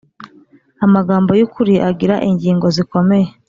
Amagambo y ukuri agira ingingo zikomeye